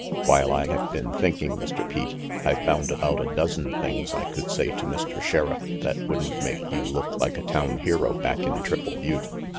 While I have been thinking, Mr. Pete, I've found about a dozen things I could say to Mr. Sheriff that wouldn't make you look like a town hero back in Triple Butte.